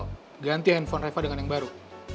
oh ganti handphone reva dengan yang baru